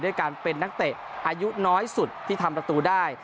ด้วยการเป็นนักเตะอายุน้อยสุดที่ทำประตูได้